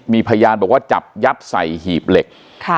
มีพยานบอกว่าจับยัดใส่หีบเหล็ก